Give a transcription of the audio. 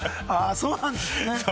そうなんですね。